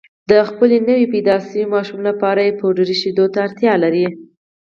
د خپل نوي زېږېدلي ماشوم لپاره پوډري شیدو ته اړتیا لري